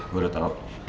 gue udah tau